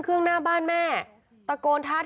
คือตอนที่แม่ไปโรงพักที่นั่งอยู่ที่สพ